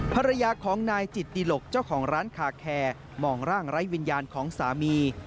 ภรรยาของนายจิตติหลกเจ้าของร้านคาแคร์มองร่างไร้วิญญาณของสามี